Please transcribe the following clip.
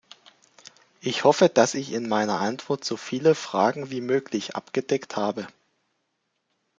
Ich hoffe, dass ich in meiner Antwort so viele Fragen wie möglich abgedeckt habe.